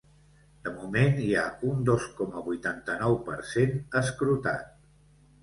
De moment, hi ha un dos coma vuitanta-nou per cent escrutat.